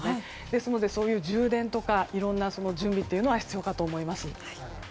ですので充電とかいろんな準備は必要かと思います。